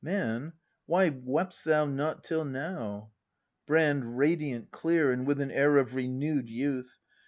] Man, why wept'st thou not till now ? Brand. [Radiant, clear, and with an air of renewed youth.